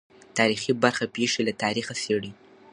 تاریخي برخه پېښې له تاریخه څېړي.